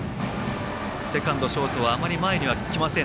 セカンド、ショートはあまり前には来ません。